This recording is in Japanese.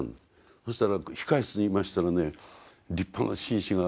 そしたら控え室にいましたらね立派な紳士が現れましてね